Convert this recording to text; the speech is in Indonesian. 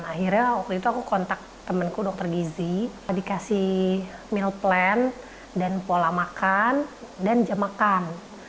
akhirnya waktu itu aku kontak temanku dokter gizi dikasih meal plan dan pola makan dan jam makan